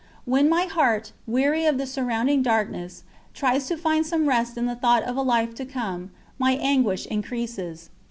When my heart, weary of the surrounding darkness, tries to find some rest in the thought of a life to come, my anguish increases.